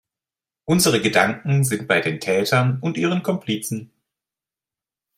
Unsere Gedanken sind bei den Tätern und ihren Komplizen.